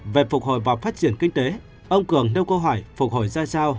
về phục hồi và phát triển kinh tế ông cường nêu câu hỏi phục hồi ra sao